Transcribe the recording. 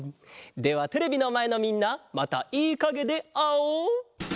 ではテレビのまえのみんなまたいいかげであおう！